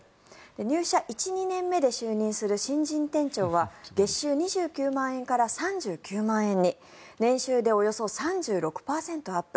入社１２年目で就任する新人店長は月収２９万円から３９万円に年収でおよそ３６％アップ。